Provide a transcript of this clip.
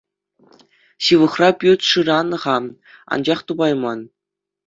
Ҫывӑхра пӳрт шыранӑ-ха, анчах тупайман.